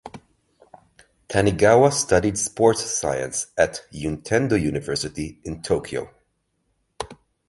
Tanigawa studied sports science at Juntendo University in Tokyo.